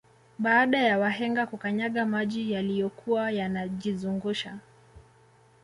Baada ya wahenga kukanyaga maji yaliyokuwa yanajizungusha